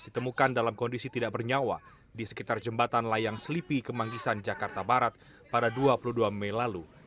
ditemukan dalam kondisi tidak bernyawa di sekitar jembatan layang selipi kemanggisan jakarta barat pada dua puluh dua mei lalu